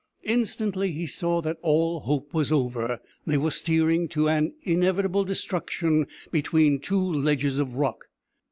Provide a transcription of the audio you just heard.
Instantly he saw that all hope was over. They were steering to inevitable destruction between two ledges of rock!